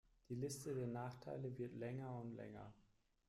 Die Liste der Nachteile wird länger und länger.